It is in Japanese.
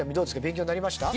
勉強になりました？